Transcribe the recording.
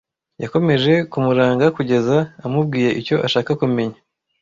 Yakomeje kumuranga kugeza amubwiye icyo ashaka kumenya.